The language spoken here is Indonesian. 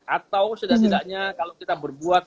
atau setidak tidaknya kalau kita berbuat